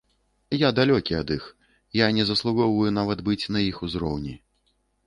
Я далёкі ад іх, я не заслугоўваю нават быць на іх узроўні.